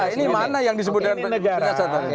ini mana yang disebutkan penyiasatan